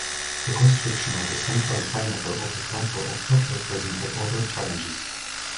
The construction of the central pinnacle of the temple of Tokio presented other challenges.